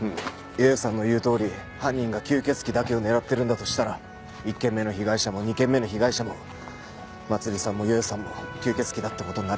よよさんの言うとおり犯人が吸血鬼だけを狙ってるんだとしたら１件目の被害者も２件目の被害者もまつりさんもよよさんも吸血鬼だって事になるよね。